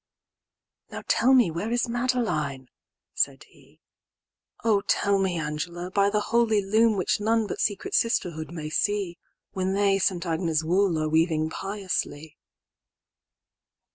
"Now tell me where is Madeline," said he,"O tell me, Angela, by the holy loom"Which none but secret sisterhood may see,"When they St. Agnes' wool are weaving piously."